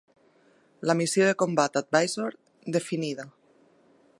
La missió de combat Advisor definida.